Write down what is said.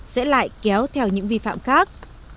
sẽ lại kéo theo những vi phạm khác